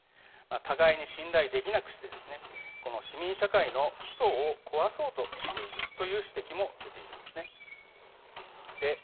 互いに信頼できなくして市民社会の基礎を壊そうとしているという指摘も出ているんですね。